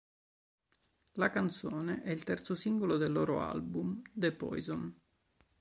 La canzone è il terzo singolo del loro album The Poison.